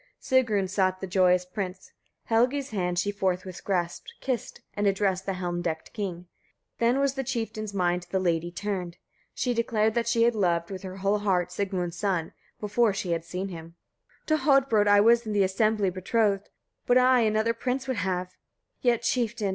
12. Sigrun sought the joyous prince, Helgi's hand she forthwith grasped, kissed and addressed the helm decked king. 13. Then was the chieftain's mind to the lady turned. She declared that she had loved, with her whole heart, Sigmund's son, before she had seen him. 14. "To Hodbrodd I was in th' assembly betrothed, but I another prince would have: yet, chieftain!